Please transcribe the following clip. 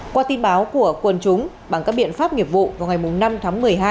qua tin báo của quân chúng bằng các biện pháp nghiệp vụ vào ngày năm tháng một mươi hai